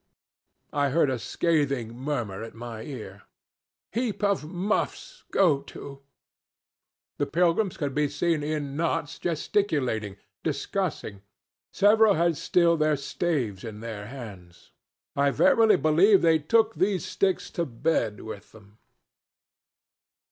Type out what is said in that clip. I heard a scathing murmur at my ear, 'Heap of muffs go to.' The pilgrims could be seen in knots gesticulating, discussing. Several had still their staves in their hands. I verily believe they took these sticks to bed with them.